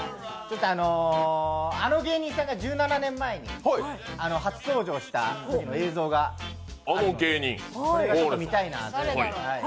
あの芸人さんが１７年前に初登場したときの映像が見たいなと。